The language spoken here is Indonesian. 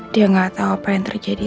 dia gak tau apa yang terjadi